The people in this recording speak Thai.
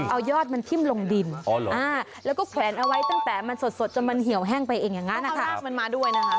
เอายอดมันทิ้มลงดินแล้วก็แขวนเอาไว้ตั้งแต่มันสดจนมันเหี่ยวแห้งไปเองอย่างนั้นภาพมันมาด้วยนะคะ